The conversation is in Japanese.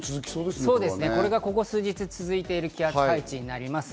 これがここ数日続いている気圧配置になります。